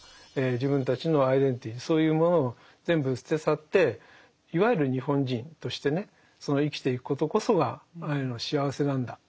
自分たちのアイデンティティーそういうものを全部捨て去っていわゆる日本人としてねその生きていくことこそがアイヌの幸せなんだ。